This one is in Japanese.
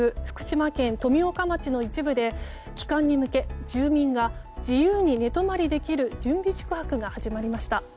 福島県富岡町の一部で帰還に向け住民が自由に寝泊まりできる準備宿泊が始まりました。